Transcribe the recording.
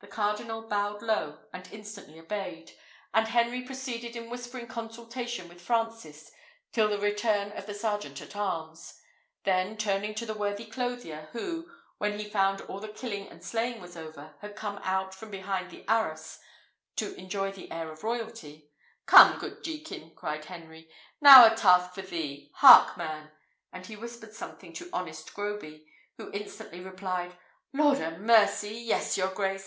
The cardinal bowed low, and instantly obeyed; and Henry proceeded in whispering consultation with Francis till the return of the sergeant at arms; then turning to the worthy clothier, who, when he found all the killing and slaying was over, had come out from behind the arras to enjoy the air of royalty, "Come, good Jekin," cried Henry, "now a task for thee. Hark, man!" and he whispered something to honest Groby, who instantly replied, "Lord 'a mercy! yes, your grace!